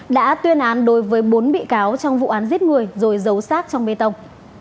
đã tuyên án đối với bốn bị cáo trong vụ án giết người rồi giấu sát trong bê tông